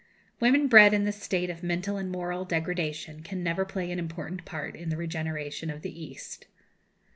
Women bred in this state of mental and moral degradation can never play an important part in the regeneration of the East.